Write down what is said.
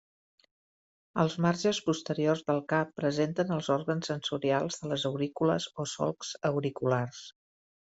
Als marges posteriors del cap presenten els òrgans sensorials de les aurícules o solcs auriculars.